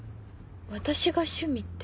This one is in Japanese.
私が趣味って？